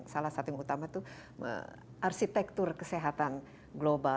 salah satu yang utama itu arsitektur kesehatan global